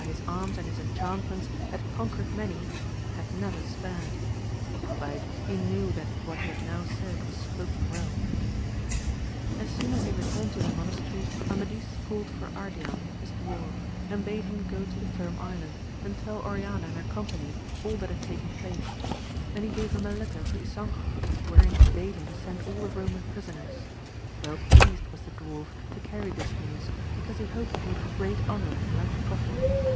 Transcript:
245 his arms and his enchantments had conquered many, had never spared ; howbeit he knew that what he had now said was spoken well As soon as they returned to the monastery, Amadis called for Ardian, his dwarf, and bade him go to the Firm Island, and tell Oriana and her company all that had taken place ; and he gave him a letter for Ysanjo, wherein he bade him send all the Eoman prisoners. Well pleased was the dwarf to carry this news, because he hoped from it great honour and much profit.